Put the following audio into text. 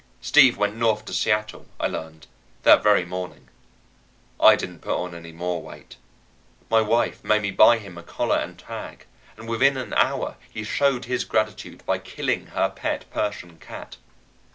Steve went north to Seattle, I learned, that very morning. I didn't put on any more weight. My wife made me buy him a collar and tag, and within an hour he showed his gratitude by killing her pet Persian cat.